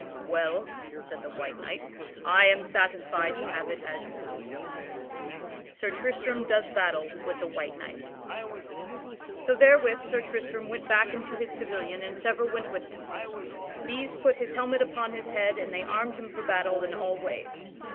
"Well," said the white knight, "I am satisfied to have it as you please." [Sidenote: Sir Tristram does battle with the white knight] So therewith Sir Tristram went back into his pavilion and several went with him. These put his helmet upon his head and they armed him for battle in all ways.